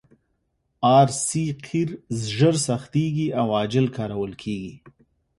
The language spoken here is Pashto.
ار سي قیر ژر سختیږي او عاجل کارول کیږي